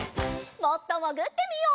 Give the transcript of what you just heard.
もっともぐってみよう。